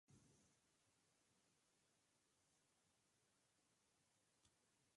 Alberta es una de las mayores productoras de petróleo y gas natural.